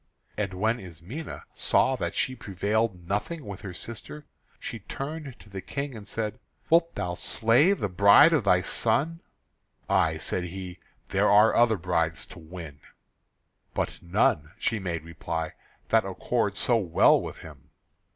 And when Ismené saw that she prevailed nothing with her sister, she turned to the King and said: "Wilt thou slay the bride of thy son?" "Ay," said he, "there are other brides to win!" "But none," she made reply, "that accord so well with him."